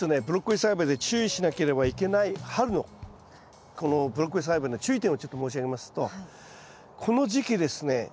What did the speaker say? ブロッコリー栽培で注意しなければいけない春のこのブロッコリー栽培の注意点をちょっと申し上げますとこの時期ですね